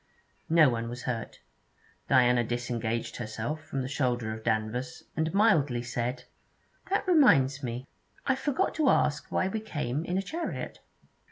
No one was hurt. Diana disengaged herself from the shoulder of Danvers, and mildly said: 'That reminds me, I forgot to ask why we came in a chariot.'